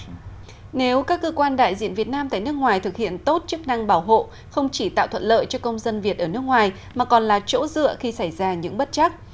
nếu các cơ quan đại diện việt nam tại nước ngoài thực hiện tốt chức năng bảo hộ không chỉ tạo thuận lợi cho công dân việt ở nước ngoài mà còn là chỗ dựa khi xảy ra những bất chắc